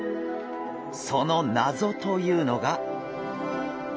その謎というのが。